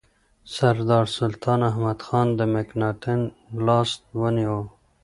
سردار سلطان احمدخان د مکناتن لاس ونیو.